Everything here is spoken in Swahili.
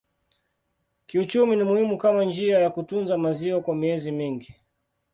Kiuchumi ni muhimu kama njia ya kutunza maziwa kwa miezi mingi.